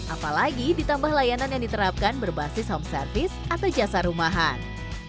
apalagi ditambah layanan yang diterapkan berbasis home service atau jasa rumahan